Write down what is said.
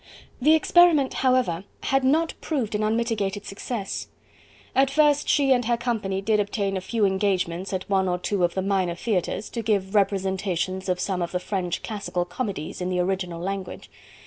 The experiment, however, had not proved an unmitigated success. At first she and her company did obtain a few engagements at one or two of the minor theatres, to give representations of some of the French classical comedies in the original language.